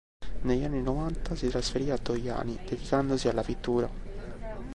Negli anni novanta si trasferì a Dogliani dedicandosi alla pittura.